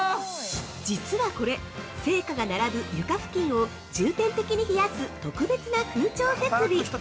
◆実はこれ、青果が並ぶ床付近を重点的に冷やす特別な空調設備！